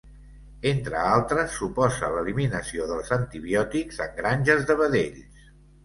Entre altres, suposa l’eliminació dels antibiòtics en granges de vedells.